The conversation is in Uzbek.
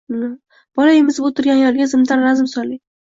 Bola emizib o’tirgan ayolga zimdan razm soling.